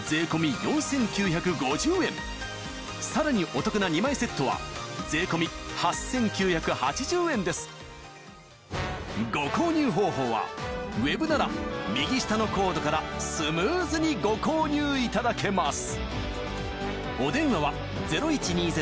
お得な２枚セットは税込み８９８０円ですご購入方法はウェブなら右下のコードからスムーズにご購入いただけます